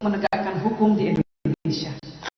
menegakkan hukum di indonesia